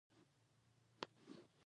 لرګی له نورو موادو ارزانه وي.